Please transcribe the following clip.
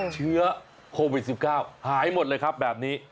เชื้อโควิด๑๙หายหมดเลยครับแบบนี้